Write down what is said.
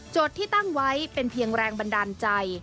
ที่ตั้งไว้เป็นเพียงแรงบันดาลใจ